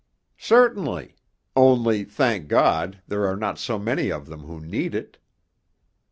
'Certainly only, thank God, there are not so many of them who need it.